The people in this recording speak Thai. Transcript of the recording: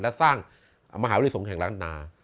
และสร้างมหาวิทยาลัยสงข์แห่งลักษณะ